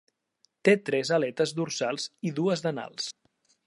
Té tres aletes dorsals i dues d'anals.